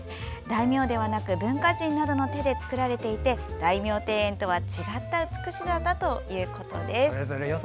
大名ではなく文化人などの手で造られていて大名庭園とは違った美しさだということです。